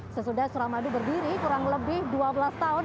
sesudah suramadu berdiri kurang lebih dua belas tahun